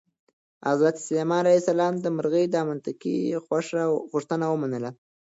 حضرت سلیمان علیه السلام د مرغۍ دا منطقي غوښتنه ومنله.